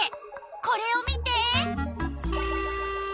これを見て！